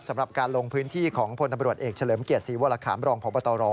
สำหรับการลงพื้นที่ของพลตำรวจเอกเฉลิมเกียรติศรีวรคามรองพบตร